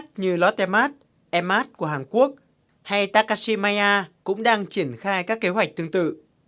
các tập đoàn bán lẻ khác như lotte mart e mart của hàn quốc hay takashimaya cũng đang triển khai các kế hoạch tương tự